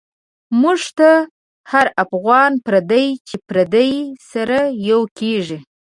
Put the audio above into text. موږ ته هر افغان پردی، چی پردی سره یو کیږی